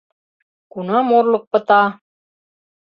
Кунам орлык пыта?